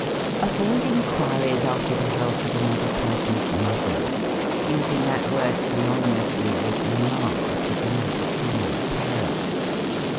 Avoid inquiries after the health of another person's mother, using that word synonymously with Mamma, to denote a female parent.